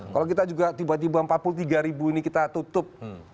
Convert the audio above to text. kalau kita juga tiba tiba empat puluh tiga ribu ini kita tutup